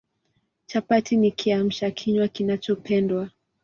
Chapati ni Kiamsha kinywa kinachopendwa